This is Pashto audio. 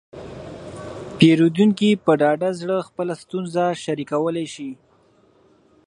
پیرودونکي په ډاډه زړه خپله ستونزه شریکولی شي.